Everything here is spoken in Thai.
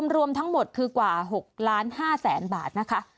รวมทั้งหมดคือกว่า๖๕๐๐๐๐๐บาทนะคะ